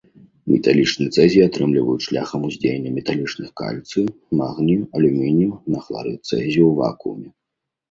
Металічны цэзій атрымліваюць шляхам уздзеяння металічных кальцыю, магнію, алюмінію на хларыд цэзію ў вакууме.